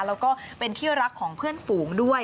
แล้วก็เป็นที่รักของเพื่อนฝูงด้วย